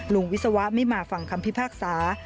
วิศวะไม่มาฟังคำพิพากษา